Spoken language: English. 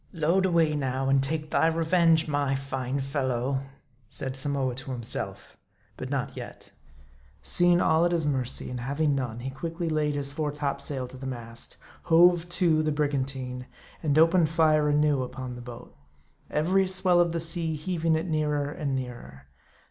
"Load away now, and take thy revenge, my fine fellow," said Samoa to himself. But not yet. Seeing all at his mercy, and having none, he quickly laid his fore topsail to the mast ;" hove to" the briganiine ; and opened fire anew upon the boat ; every swell of the sea heaving it nearer and nearer.